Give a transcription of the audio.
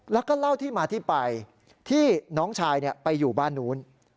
แล้วก็เล่าที่มาที่ไปที่น้องชายไปอยู่บ้านนู้น